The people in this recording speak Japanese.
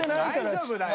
大丈夫だよ。